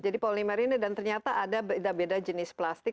jadi polimer ini dan ternyata ada beda beda jenis plastik